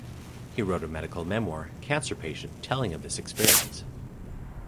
He wrote a medical memoir, Cancer Patient, telling of this experience.